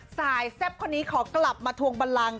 แซ่บคนนี้ขอกลับมาทวงบันลัง